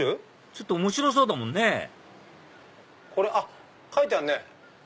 ちょっと面白そうだもんね書いてあるね。